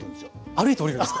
歩いて下りるんですか？